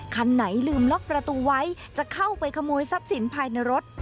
คันไหนลืมล็อกประตูไว้จะเข้าไปขโมยทรัพย์สินภายในรถ